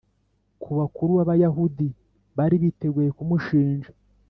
ku bakuru b Abayahudi bari biteguye kumushinja